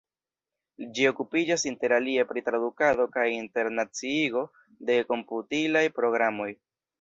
Ĝi okupiĝas interalie pri tradukado kaj internaciigo de komputilaj programoj.